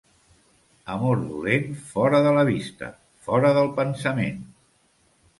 Amor dolent, fora de la vista, fora del pensament.